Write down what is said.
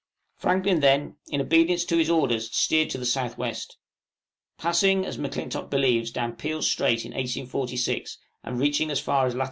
Franklin then, in obedience to his orders, steered to the south west. Passing, as M'Clintock believes, down Peel's Strait in 1846, and reaching as far as lat.